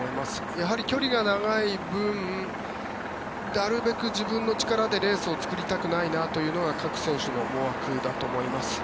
やはり距離が長い分なるべく自分の力でレースを作りたくないなというのが各選手の思惑だと思います。